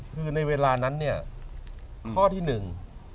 คือในเวลานั้นเนี่ยข้อที่หนึ่ง